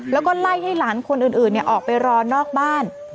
แล้วก็ไล่ให้หลานคนอื่นออกไปรอนอกบ้าน